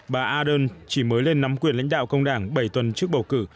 bà ardern chỉ mới lên nắm quyền lãnh đạo công đảng bảy tuần trước bầu cử